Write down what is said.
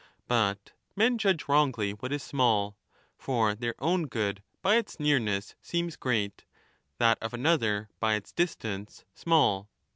But men judge wrongly 15 what is small ; for their own good by its nearness seems great, that of another by its distance small.